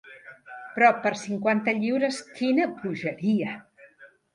Però per cinquanta lliures, quina bogeria!